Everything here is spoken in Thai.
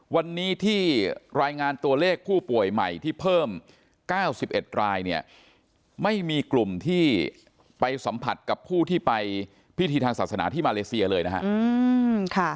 วันนี้ที่รายงานตัวเลขผู้ป่วยใหม่ที่เพิ่ม๙๑รายเนี่ยไม่มีกลุ่มที่ไปสัมผัสกับผู้ที่ไปพิธีทางศาสนาที่มาเลเซียเลยนะครับ